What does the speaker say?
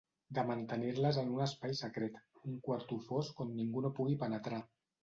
De mantenir-les en un espai secret, un quarto fosc on ningú no pugui penetrar.